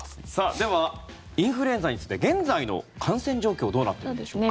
ではインフルエンザについて現在の感染状況どうなっているんでしょうか。